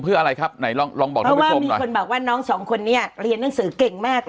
เพื่ออะไรครับไหนลองบอกว่าน้องคนนี้เรียนหนังสือเก่งมาก